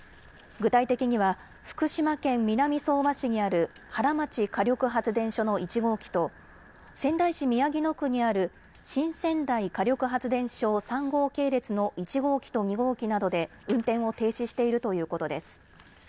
具体的には福島県南相馬市にある原町火力発電所の１号機と仙台市宮城野区にある新仙台火力発電所３号系列の１号機と２号機などで運転を停止しているということです。